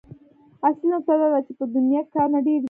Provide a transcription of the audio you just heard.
اصلي نکته دا ده چې په دنيا کې کارونه ډېر دي.